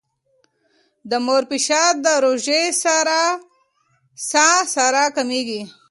د مور فشار د ژورې ساه سره کمېږي.